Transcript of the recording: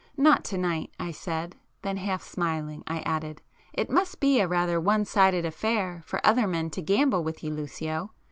"Not to night;"—I said,—then half smiling, I added—"It must be rather a one sided affair for other men to gamble with you, Lucio!